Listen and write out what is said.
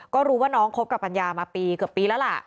ก็รู้ว่าน้องคบกับปัญญามาปีเกือบปีแล้วล่ะ